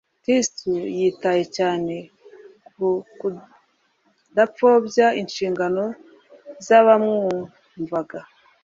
Kristo yitaye cyane ku kudapfobya inshingano z'abamwumvaga.